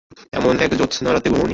এমন কত জ্যোৎস্নারাত্রে ঘুমোই নি।